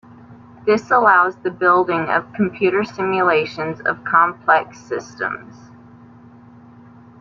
This allows the building of computer simulations of complex systems.